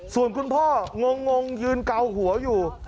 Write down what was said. ส่วนคุณพ่องงยืนเกาหัวอยู่